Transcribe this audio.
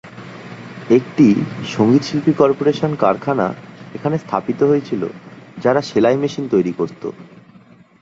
একটি "সঙ্গীতশিল্পী কর্পোরেশন" কারখানা এখানে স্থাপিত হয়েছিল যারা সেলাই মেশিন তৈরী করত।